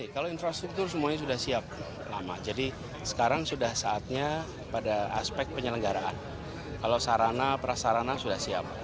kalau infrastruktur semuanya sudah siap lama jadi sekarang sudah saatnya pada aspek penyelenggaraan kalau sarana prasarana sudah siap